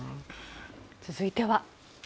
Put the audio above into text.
続いては。